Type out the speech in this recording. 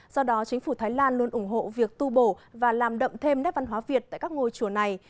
do đó chính phủ thái lan luôn ủng hộ việc tu bổ và làm đậm thêm nét văn hóa việt tại các ngôi chùa này